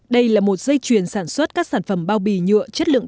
đây là một dây chuyền sản xuất các sản phẩm bao bì nhựa chất lượng